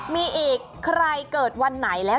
มีอีกใครเกิดวันไหนแล้ว